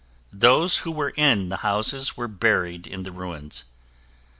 Those who were in the houses were buried in the ruins.